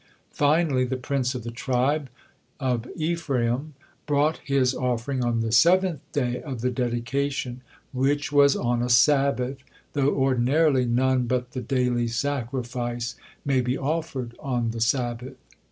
Finally the prince of the tribe of Ephraim brought his offering on the seventh day of the dedication, which was on a Sabbath, though ordinarily none but the daily sacrificed may be offered on the Sabbath.